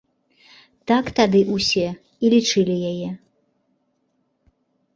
Так тады ўсе і лічылі яе.